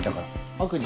奥に。